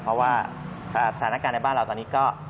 เพราะว่าสถานการณ์ในบ้านเราตอนนี้ก็